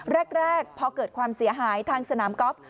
แรกพอเกิดความเสียหายทางสนามกอล์ฟ